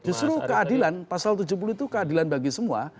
justru keadilan pasal tujuh puluh itu keadilan bagi semua